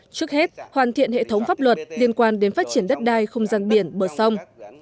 trước hết hoàn thiện hệ thống pháp luật liên quan đến phát triển đất đai không gian biển bờ sông